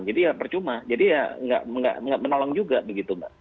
jadi ya percuma jadi ya tidak menolong juga begitu mbak